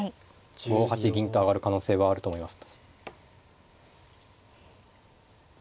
５八銀と上がる可能性があると思います。